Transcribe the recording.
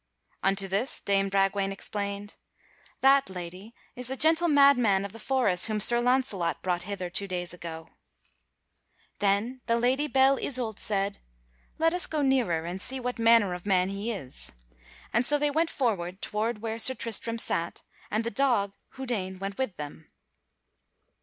Unto this, dame Bragwaine replied: "That, lady, is the gentle madman of the forest whom Sir Launcelot brought hither two days ago." Then the Lady Belle Isoult said, "Let us go nearer and see what manner of man he is"; and so they went forward toward where Sir Tristram sat, and the dog Houdaine went with them.